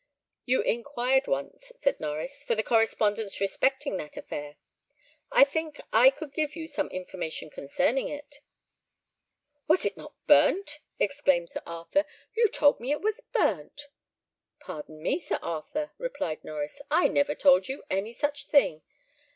"You inquired once," said Norries, "for the correspondence respecting that affair; I think I could give you some information concerning it." "Was it not burnt?" exclaimed Sir Arthur. "You told me it was burnt." "Pardon me, Sir Arthur," replied Norries; "I never told you any such thing.